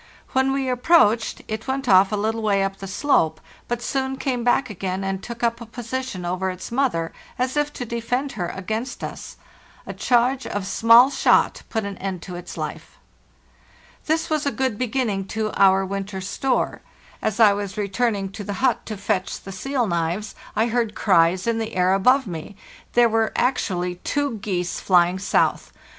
When we approached, it went off a little way up the slope, but soon came back again and took up a position over its mother, as if to defend her against us. A charge of small shot put an end to its life. This was a good beginning to our winter store. As LAND AT LAST 393 I was returning to the hut to fetch the seal knives, I heard cries in the air above me. 'There were actually two geese flying south!